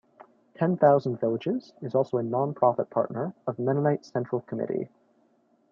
Ten Thousand Villages is also a nonprofit partner of Mennonite Central Committee.